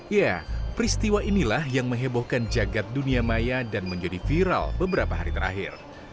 ya peristiwa inilah yang menghebohkan jagad dunia maya dan menjadi viral beberapa hari terakhir